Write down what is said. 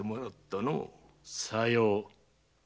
さよう。